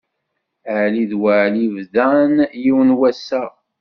Ɛli d Weɛli bḍan yiwen wassaɣ.